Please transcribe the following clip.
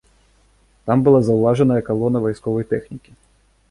Там была заўважаная калона вайсковай тэхнікі.